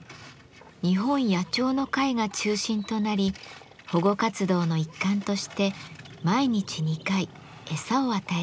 日本野鳥の会が中心となり保護活動の一環として毎日２回餌を与えています。